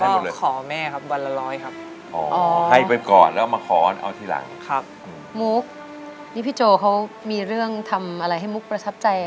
ทำไมเค้าก็ขอแม่ครับ